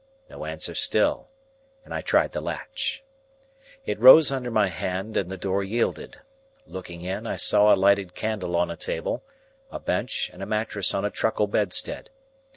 No answer still, and I tried the latch. It rose under my hand, and the door yielded. Looking in, I saw a lighted candle on a table, a bench, and a mattress on a truckle bedstead.